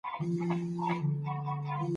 څوک یې ژړولي پرې یا وړی یې په جبر دی